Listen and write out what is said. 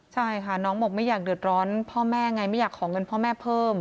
ใช่ค่ะน้องบอกไม่อยากเดือดร้อนพ่อแม่ไงไม่อยากขอเงินพ่อแม่เพิ่ม